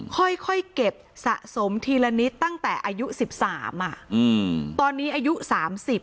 ค่อยเก็บสะสมทีละนิดตั้งแต่อายุ๑๓อ่ะตอนนี้อายุ๓๐อ่ะ